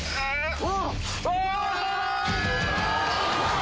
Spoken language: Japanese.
お！